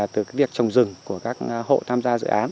từ việc trồng rừng của các hộ tham gia dự án